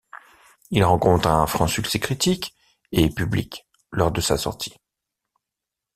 Il rencontre un franc succès critique et public lors de sa sortie.